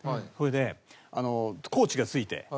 それでコーチがついて。